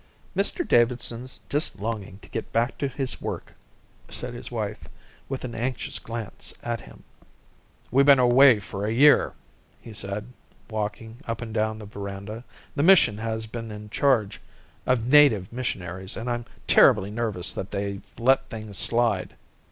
"Mr Davidson's just longing to get back to his work," said his wife, with an anxious glance at him. "We've been away for a year," he said, walking up and down the verandah. "The mission has been in charge of native missionaries and I'm terribly nervous that they've let things slide.